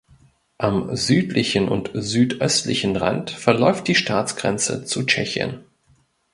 Am südlichen und südöstlichen Rand verläuft die Staatsgrenze zu Tschechien.